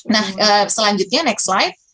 nah selanjutnya next slide